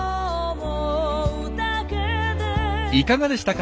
いかがでしたか？